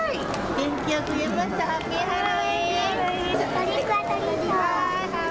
トリックオアトリート。